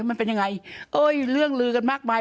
มันเป็นยังไงเอ้ยเรื่องลือกันมากมาย